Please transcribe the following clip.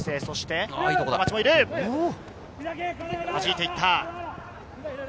はじいていった。